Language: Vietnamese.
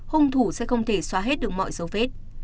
hung thủ sẽ không thể xóa hết được mọi dấu vết